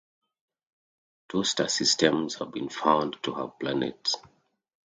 Two star systems have been found to have planets.